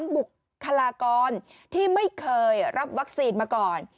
บุคลากรที่ไม่เคยรับวัคซีนมาก่อน